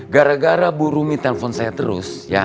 gara gara bu rumi telpon saya terus